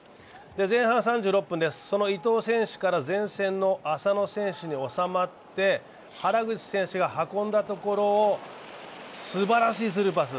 前半３６分です、その伊藤選手から前線の浅野選手におさまって原口選手が運んだところをすばらしいスルーパス。